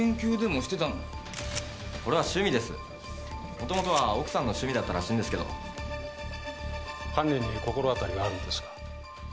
もともとは奥さんの趣味だったらしいんですけど犯人に心当たりがあるんですか？